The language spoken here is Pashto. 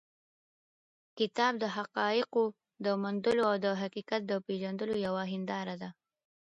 کتاب د حقایقو د موندلو او د حقیقت د پېژندلو یوه هنداره ده.